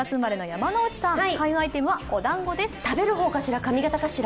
おだんご、食べる方かしら髪形かしら。